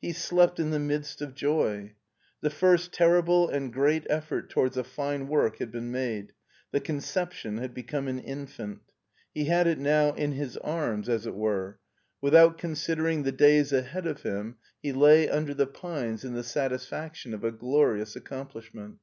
He slept in the midst of joy. The first terrible and great effort to wards a fine work had been made — ^the conception had become an infant He had it now in his arms, as ;t 271 MARTIN SCHULER were. Without considering the days ahead of him, he lay tinder the pines in the satisfaction of a gloriou? accomplishment.